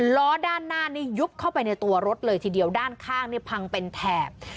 ล้อด้านหน้านี่ยุบเข้าไปในตัวรถเลยทีเดียวด้านข้างเนี่ยพังเป็นแถบ